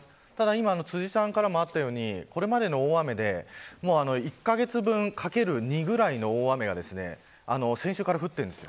今、辻さんからもあったようにこれまでの大雨で１カ月分かける２ぐらいの大雨が先週から降っているんです。